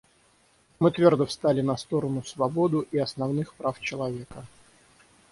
Мы твердо встали на сторону свободу и основных прав человека.